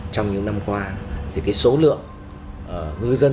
trong những năm qua thì cái số lượng ngư dân đến với lại bệnh xá đảo trường sa thì ngay càng đông